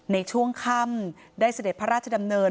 ในช่วงค่ำได้เสด็จพระราชดำเนิน